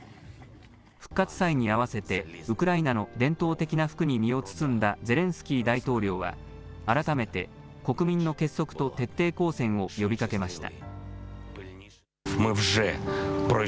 復活祭に合わせてウクライナの伝統的な服に身を包んだゼレンスキー大統領は改めて国民の結束と徹底抗戦を呼びかけました。